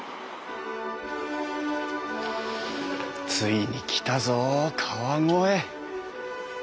ついに来たぞ川越！